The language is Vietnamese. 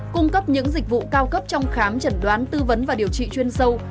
cung cấp những dịch vụ cao cấp trong khám chẩn đoán tư vấn và điều trị chuyên sâu